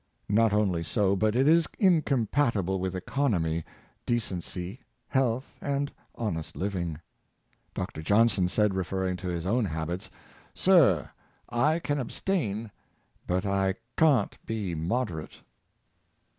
Not only so, but it is incompatible with economy, decency, health and honest living. Dr. Johnson said, referring to his own habits, " Sir, I can abstain; but I can't be moderate."